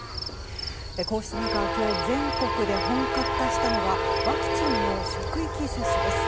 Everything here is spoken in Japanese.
こうした中今日、全国で本格化したのがワクチンの職域接種です。